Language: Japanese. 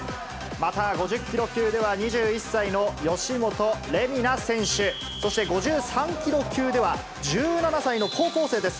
また５０キロ級では２１歳の吉元玲美那選手、そして５３キロ級では１７歳の高校生です。